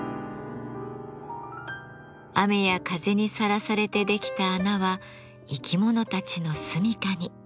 雨や風にさらされてできた穴は生き物たちのすみかに。